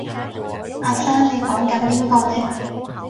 阿生你講緊邊個呢？